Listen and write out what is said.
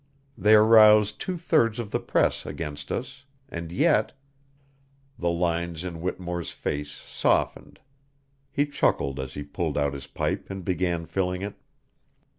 They aroused two thirds of the press against us, and yet " The lines in Whittemore's face softened. He chuckled as he pulled out his pipe and began filling it.